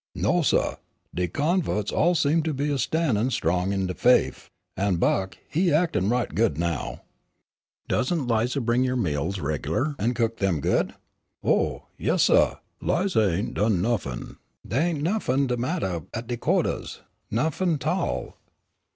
"No, suh, de converts all seem to be stan'in' strong in de faif, and Buck, he actin' right good now." "Doesn't Lize bring your meals regular, and cook them good?" "Oh, yes, suh, Lize ain' done nuffin'. Dey ain' nuffin' de mattah at de quahtahs, nuffin' 't'al."